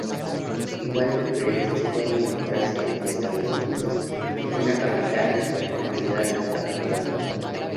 Iguales diferencias pueden encontrarse entre establecimientos en una capital o en una ciudad dormitorio.